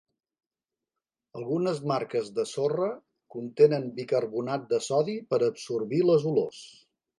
Algunes marques de sorra contenen bicarbonat de sodi per absorbir les olors.